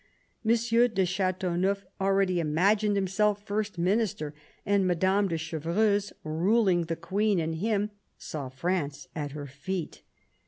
M. de Chateau neuf already imagined himself First Minister, and Madame de Chevreuse, ruling the Queen and him, saw France at her feet.